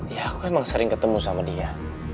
ya aku emang sering ketemu sama dia